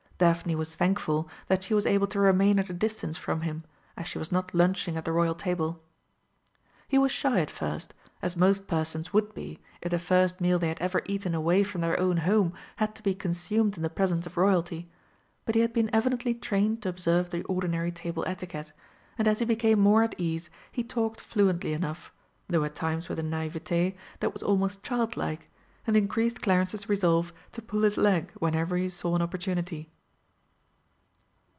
Daphne was thankful that she was able to remain at a distance from him, as she was not lunching at the Royal Table. He was shy at first, as most persons would be if the first meal they had ever eaten away from their own home had to be consumed in the presence of Royalty, but he had been evidently trained to observe the ordinary table etiquette, and as he became more at ease he talked fluently enough, though at times with a naïveté that was almost childlike, and increased Clarence's resolve to pull his leg whenever he saw an opportunity.